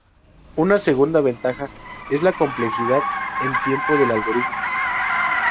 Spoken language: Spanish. Una segunda ventaja es la complejidad en tiempo del algoritmo.